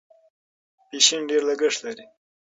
فیشن ډېر لګښت لري.